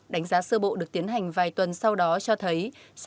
đánh giá sơ bộ được tiến hành vài tuần sau đó cho thấy